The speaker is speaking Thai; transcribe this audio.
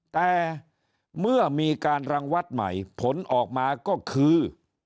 แต่เมื่อมีการรังวัดใหม่ผลออกมาก็คือ